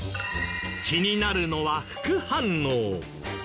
気になるのは副反応。